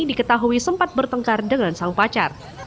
diketahui sempat bertengkar dengan sang pacar